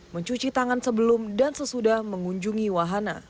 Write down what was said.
mencuci tangan sebelum dan sesudah mengunjungi wahana